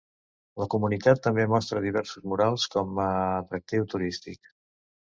La comunitat també mostra diversos murals com a atractiu turístic.